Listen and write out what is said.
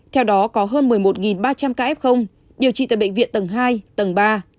theo đó có hơn một mươi một ba trăm linh ca f điều trị tại bệnh viện tầng hai tầng ba